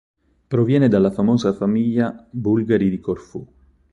Proviene dalla famosa famiglia Bulgari di Corfù.